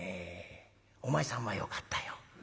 お前さんはよかったよ。